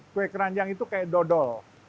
kue keranjang itu kayak dodol